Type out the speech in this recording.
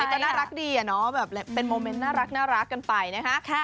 ก็น่ารักดีอะเนาะแบบเป็นโมเมนต์น่ารักกันไปนะคะ